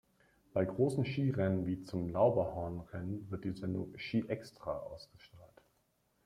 Bei grossen Skirennen wie zum Lauberhornrennen wird die Sendung «Ski extra» ausgestrahlt.